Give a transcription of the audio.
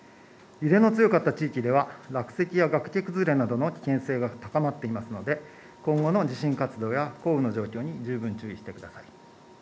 揺れの強かった地域では、落石や崖崩れなどの危険性が高まっていますので、今後の地震活動や降雨の状況に十分注意してください。